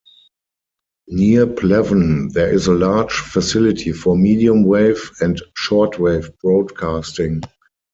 Near Pleven, there is a large facility for medium wave and short wave broadcasting.